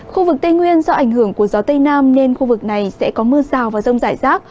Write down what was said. khu vực tây nguyên do ảnh hưởng của gió tây nam nên khu vực này sẽ có mưa rào và rông rải rác